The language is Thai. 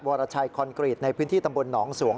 วรชัยคอนกรีตในพื้นที่ตำบลหนองสวง